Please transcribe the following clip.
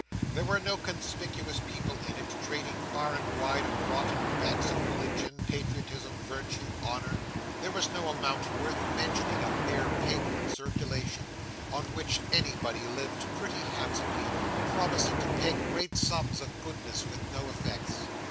There were no conspicuous people in it, trading far and wide on rotten banks of religion, patriotism, virtue, honour. There was no amount worth mentioning of mere paper in circulation, on which anybody lived pretty handsomely, promising to pay great sums of goodness with no effects.